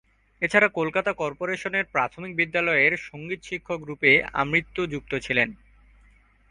এছাড়া কলকাতা কর্পোরেশনের প্রাথমিক বিদ্যালয়ের সঙ্গীত শিক্ষক রূপে আমৃত্যু যুক্ত ছিলেন।